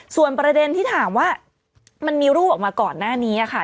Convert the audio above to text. ส่วนประเด็นที่ถามว่ามันมีรูปออกมาก่อนหน้านี้ค่ะ